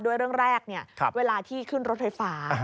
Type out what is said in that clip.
เรื่องแรกเวลาที่ขึ้นรถไฟฟ้า